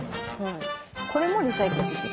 これもリサイクルできる？